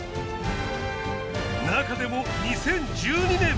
中でも２０１２年